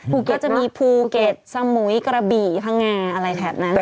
ปรุกรรมก็จะมีพูเก็ตสมุยกระบี่พงาอะไรแถบนั้น๔จังหวัด